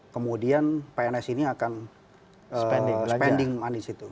kemudian pns ini akan spending lagi